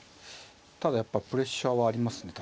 ただやっぱプレッシャーはありますね